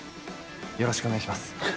よろしくお願いします。